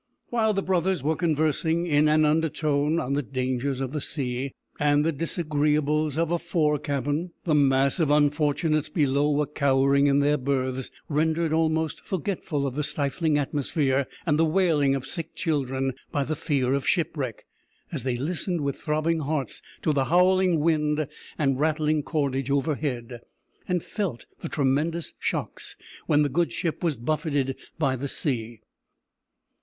While the brothers were conversing in an undertone on the dangers of the sea, and the disagreeables of a fore cabin, the mass of unfortunates below were cowering in their berths, rendered almost forgetful of the stifling atmosphere, and the wailing of sick children, by the fear of shipwreck, as they listened with throbbing hearts to the howling wind and rattling cordage overhead, and felt the tremendous shocks when the good ship was buffeted by the sea.